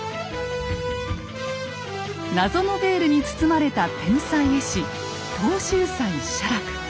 謎のベールに包まれた天才絵師東洲斎写楽。